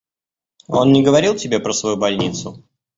Он не говорил тебе про свою больницу?